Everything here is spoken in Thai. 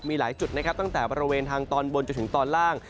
มีหลายจุดนะครับตั้งแต่บริเวณทางตอนบนจนถึงตอนล่าง